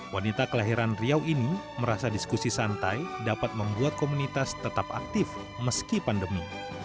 wanita kelahiran riau ini merasa diskusi santai dapat membuat komunitas tetap aktif meski pandemi